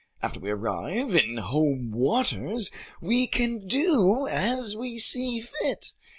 After we arrive in home waters, we can do as we see fit.